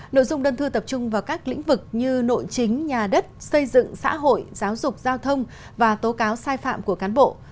nội dung đơn thư tập trung vào các lĩnh vực như nội chính nhà đất xây dựng xã hội giáo dục giao thông và tố cáo sai phạm của cán bộ